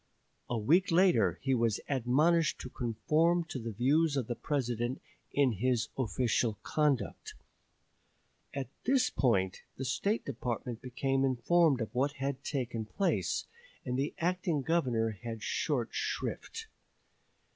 A week later he was admonished to conform to the views of the President in his official conduct. At this point the State Department became informed of what had taken place, and the acting Governor had short shrift.